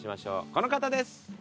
この方です。